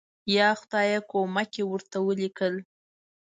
یا خدایه کومک یې ورته ولیکل.